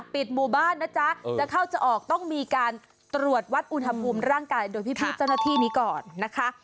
ปิดหมู่บ้านนะจ๊ะจะเข้าจะออกต้องมีการตรวจวัดอุณหภูมิร่างกายโดยพี่เจ้าหน้าที่นี้ก่อนนะคะ